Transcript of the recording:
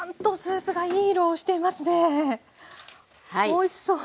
おいしそう。